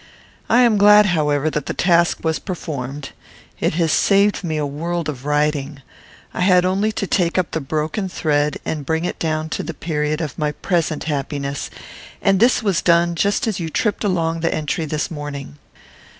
I am glad, however, that the task was performed. It has saved me a world of writing. I had only to take up the broken thread, and bring it down to the period of my present happiness; and this was done, just as you tripped along the entry this morning.